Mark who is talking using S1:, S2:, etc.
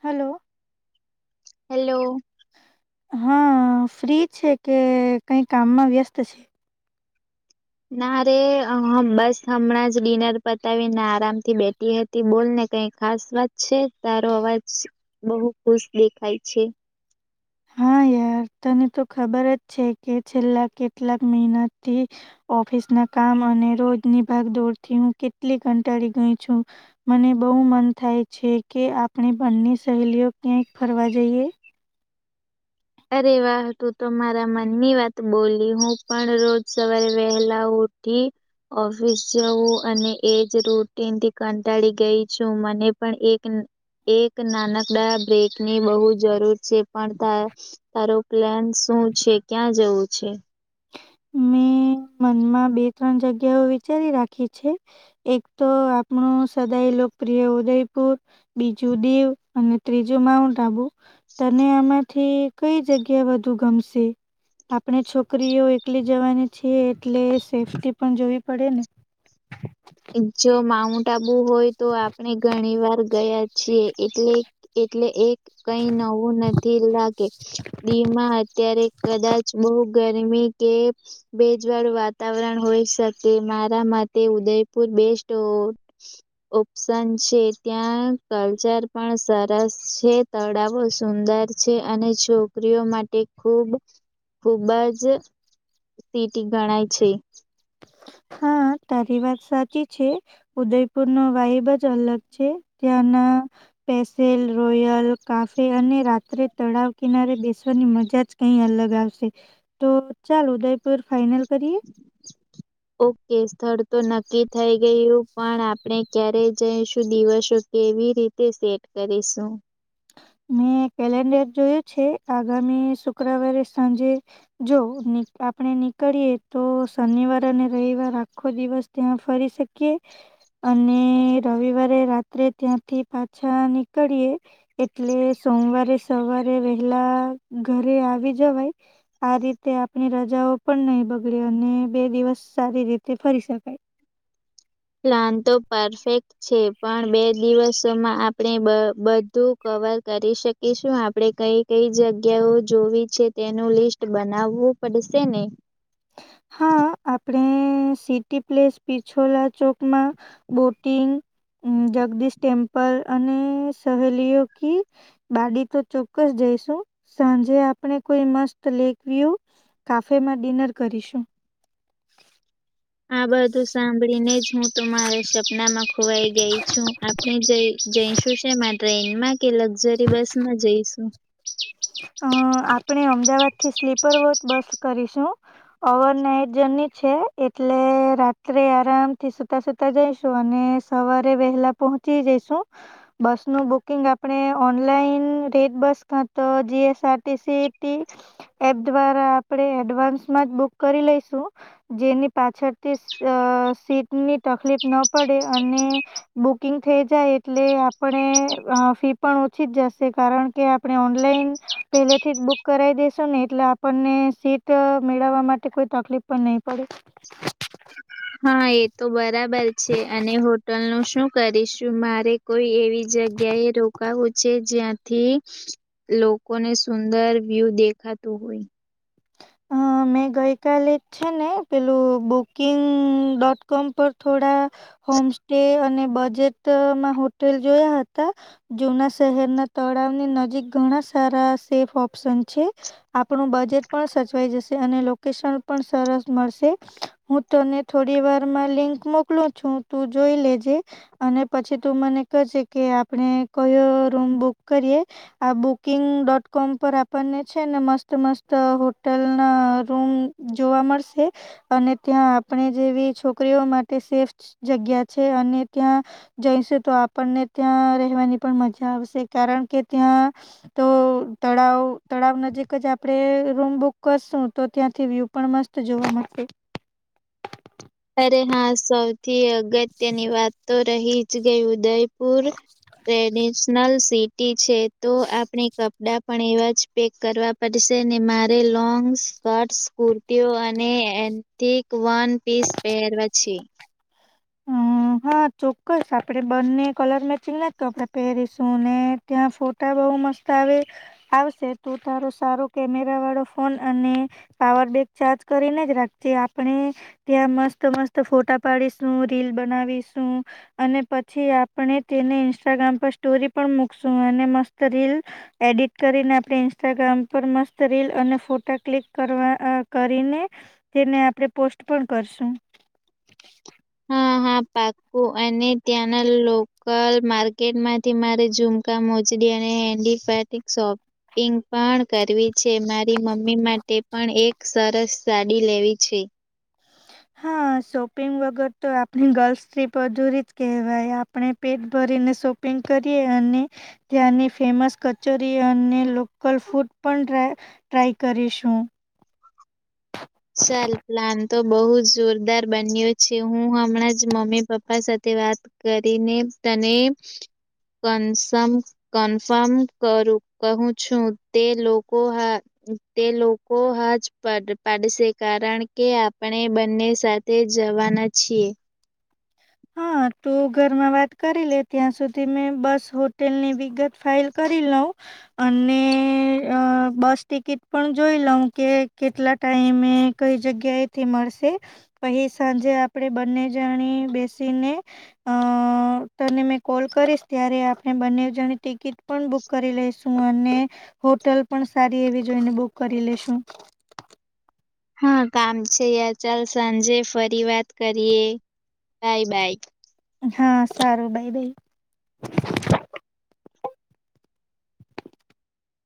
S1: Hello.
S2: Hello.
S1: હા free છે કે કઈ કામમાં વ્યસ્ત છે.
S2: ના રે બસ હમણાં જ ડિનર પતાવીને આરામ થી બેઠી હતી બોલ ને કઈ ખાસ વાત છે તારો અવાજ બહુ ખુશ દેખાય છે
S1: હા યાર તને તો ખબર જ છે કે છેલ્લા કેટલાક મહિનાથી ઓફિસ ના કામ રોજની ભાગ દોડથી હું કેટલી કંટાળી ગય છું મને બહ મન થાય છે કે આપણે બન્ની સહેલીઓ ક્યાંય ફરવા જઈએ
S2: અરે વાહ તું તો મારા મનની વાત બોલી હું પણ રોજ સવારે વહેલા હ રોી ઓફિસ જવું અને એજ રૂટીનથી કંટાળી ગઈ છું મને પણ એક એક નાનકડા બ્રેકની બહુ જરૂર છે પણ તારો પ્લેન શું છે ક્યાં જવું છે
S1: મે મમાં બે ત્રણ જગ્યા વિચારી રાખી છે એક તો આપણ લોકપ્રિય ઉદયપુર બીજું દીવ અને ત્રીજું માઉન્ટ આબુ તને માંથી કઈ જગ્યા વધુ ગમશે આપણે છોકરી છોકરીઓ એકલી જવાની છે એટલે સેફ્ટી પણ જોવી પડે ને
S2: જો માઉન્ટ આબુ હોય તો આપણે ઘણી વાર ગયા છીએ એટલે એટલે એક કઈ નવું નથી લાગે ીમાં અત્યારે કદાચ બહુ ગરમી કે ભેજવાળું વાતાવરણ હોય શકે મારા મતે ઉદય બેસ્ટ ઓપ્શન છે ત્યાં કલ્ચર પણ સરસ છે તળાવો સુંદર છે અને છોકરીઓ માટે ખુબ ખૂબા જ સિટી ગણાય છે
S1: હા તારી વાત સાચી છે ઉદયપુર નો વાહબ જ અલગ છે ત્યાંના પેસેલ રોયલ કાફે અને રાત્રે તળાવ કિનારે બેસવાની મજા જ કઈ અલગ અલગ આવશે તો ચાલ ઉદયપુર ફાઈનલ કરીએ
S2: ઓકે સ્થળ તો નક્કી થઈ ગયું પણ આપણે ક્યારે જઈશું દિવસો કેવી રીતે સેટ કરીશું
S1: મેં કેલેન્ડર જોયું છે આગામી શુક્રવારે સાંજે જોવ આપણે નીકળીએ તો શનિવાર અને રવિવાર આખો દિવસ ત્યાં ફરી શકીએ અને રવિવારે રાત્રે ત્યાંથી પાછા નીકળીએ એટલે સોમવારે સવારે વહેલા ઘરે આવી જવાય આ રીતે આપણી રજાઓ પણ નહી બગડીે અને બે દિવસ સારી રીતે ફરી શકાય [inaudible]
S2: પ્લાન તો પરફેક્ટ છે પણ બે દિવસમાં આપણે બધું કવર કરી શકીશું આપણે કઈ કઈ જગ્યાઓ જોવી છે તેનું લિસ્ટ બનાવવું પડશેેને
S1: હા આપડણે સિટી પ્લેસ પિછોલા ચોકમાં બોટિંગ જગદીશ ટેમ્પલ અને સહેલીઓ ક બાડી તો ચોક્કસ જ સાંજે આપ કોઈ મત લેક વ્યુ કાફેમાંિનર કરીશું
S2: આ બધું સાંભળી ને જ હું તો મારા સપનામાં ખોવાઈ ગઈ છું આપણે જ જઈશું ટ્રેનમાં કે લક્ઝરી બસ માં જઈશું
S1: અ આપણે અમદાવાદ થી સ્લીપર વોટ બસ કરીશું ઓવર નાઈટ જર્ની છે એટલે રાત્રે આરામથી સુતા સુતા જઈશું અને સવારે વહેલા પહોંચી જઈશું બસ રૂ બુકિંગ આપણે ઓનલાઇન રેટ બસ તો G S R T C T app દ્વારા આપડે એડવાન્સમાં જ બુક કરી લેઇ શું જેની પાછળથી સીટની તકલીફ ના પડે અને બુકિંગ થઈ જાય એટલે આપણે અ ફી પણ ઓછી જ જશે કારણ કે આપ ને ઓનલાઈન પેલેથી બુક કરી દેેશો ને એટલે આપને સીટ મેળવવા માટે ખુબ તકલીફ પણ નહીં પડે
S2: હા એ તો બરાબર છે અને હોટલનું શું કરીશું મારે કોઈ એવી જગ્યા એ રોકાવું છે જ્યાં થી લોકોને સુંદર વ્યૂ દેખાતું હોય
S1: હા મેં ગઈકાલે છે ને પેલું બુકિંગ ડોટ કોમ પર થોડા હોમ સ્ટે અને બજેટમાં હોટેલ જોયા હતા જૂના શહેરના તળા નજીક ઘણા સારા સેફ ઓપ્શન છે આપણું બજેટ પણ સસ સે અને લોકેશન પણ સરસ મળશે હું તને થોડી વારમાં લિંક મોકલું છું તું જોઈ લેજે અને પછી તું મને કેજ કે આપણે કયો રૂમ બુક કરીએ આ બુકિંગ ડોટ કોમ પર આપણને છે ને મસ્ત મસ્ત હો ટલના રૂમ જોવા મળશે અને ત્યાં આપણે જેવી છોકરીઓ માટે સેફ જગ્યા છે. અને ત્યાં જઈશ તો આપણને ત્યાં રહેવાની પણ મજા આવશે કારણ કે ત્યાં ત તળાવ તળાવ નજીક જ આપડે રૂમ બુક કરશું તો ત્યાંથી વ્યૂ પણ મસ્ત જોવા મળશે.
S2: અરે હા સૌથી અગત્યની વાત તો રહી જ ગઈ ઉદય પુર ટ્રેડિશનલ સિટી છે તો આપણે કપડાં પણ એવા જ પેક કરવા પડશે ને મારે લોંગ સ્કર્ટસ કુર્તીઓ અને એંથી પેહેરવા છે.
S1: હમ. હા ચોક્કસ આપડે બંને કલર મેચિંગ નાકપડાં પહેરીશુંને ત્યાં ફોટા બ મસ્ત આવે આવશે તુ તારો સારો કેમેરા વાળો ફોન અને પાવર બેંક ચાર્જ કરીને જ રાખજે આપણે ત્યાં મસ્ત મસ્ત ફોટા પાડી શું રીલ બનાવીશું અને પછી આપણે તેને ઇન્સ્ટાગ્રામ પર સ્ટોરી પણ મુકશ શું અને મસ્ત રીલ એડિટ કરીને આપડે ઇન્સ્ટાગ્રામ પર મસ્ત રીલ અને ફોટા ક્લિક કરવા અ કરીને જેને આપણે પોસ્ટ પણ કરશું.
S2: હા હા પાક્કું અને ત્યાંના લોકલ માર્કેટ માંથી મારે ઝુમકા મોચડી અને હેન્ડી ફ માંથી શોપ પિંગ પણ કરવી છે મારી મમ્મી માટે પણ એક સરસ સાડી લેવી છે.
S1: [inaudible] હા શોપિંગ વગર તો આપણી ગર્લ્સ ટ્રીપ અધૂરી જ કહેવાય આપણે પેટ ભરીને શોપિંગ કરીએ અને ત્યાંની ફેમસ કચોરી અને લોકલ ફૂડ પણ ડ્રા ટ્રાય કરીશું
S2: સાલ પ્લાન તો બહુ જોરદાર બન્યો છે હું હમણાં જ મમ્મી પપ્પા સાથે વાત કરીને તને કન્સમ કન્ફર્મ કરું કહું છું તે લોકો હા તે લોકો હા જ પાડ પાડસે કારણ કે આપણે બંને સાથે જવાના છીએ
S1: હા તુ ઘરમાં વાત કરી લે ત્યાં સુધી મેં બસ હોટેલની વિગત ફાઇલ કરી લઉં. અને બસ ટિકિટ પણ જોઈ લઉ કે કેટલા ટાઈમે કઈ જગ્યાએથી મળશે અહી સાંજે આપણેે બંને જાણી બે શીને અ તને મે કોલ કરીશ ત્યારે આપણે બંને જણી ટિકિટ પણ બુક કરી લઈસું અને હોટલ પણ સારી એવી જોઈને બુક કરી લેશુ
S2: હા કામ છે યાર ચાલ સાંજે ફરી વાત કરીએ. બાય બાય
S1: હા સારું ભાઈ ભાઈ